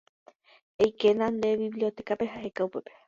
Eikéna nde bibliotecape ha eheka upépe.